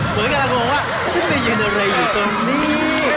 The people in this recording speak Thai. เหมือนกำลังงงว่าฉันได้ยินอะไรอยู่ตอนนี้